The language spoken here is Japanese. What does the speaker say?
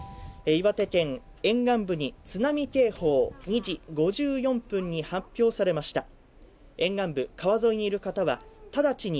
岩手県沿岸部に津波警報、２時５４分に発表されました。